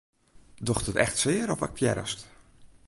Docht it echt sear of aktearrest?